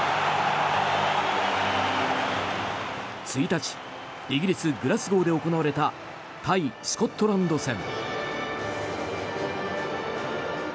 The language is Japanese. １日イギリス・グラスゴーで行われた対スコットランド戦。